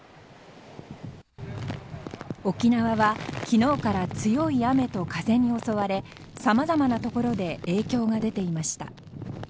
沖縄は昨日から強い雨と風に襲われさまざまなところで影響が出ていました。